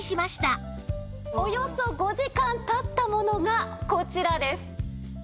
およそ５時間経ったものがこちらです。